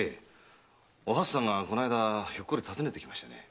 おはつさんがこないだひょっこり訪ねてきましてね。